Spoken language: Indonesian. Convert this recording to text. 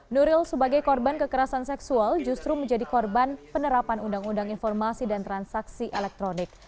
nuril sebagai korban kekerasan seksual justru menjadi korban penerapan undang undang informasi dan transaksi elektronik